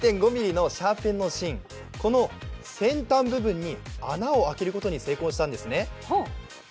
０．５ｍｍのシャーペンの芯、この先端部分に穴を開けることに成功したんです。